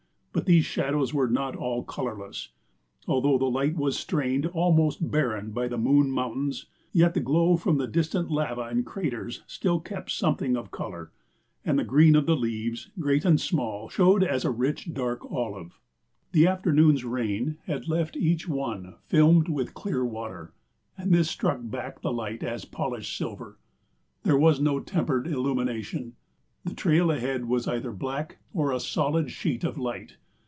But these shadows were not all colorless. Although the light was strained almost barren by the moon mountains, yet the glow from the distant lava and craters still kept something of color, and the green of the leaves, great and small, showed as a rich dark olive. The afternoon's rain had left each one filmed with clear water, and this struck back the light as polished silver. There was no tempered illumination. The trail ahead was either black, or a solid sheet of light.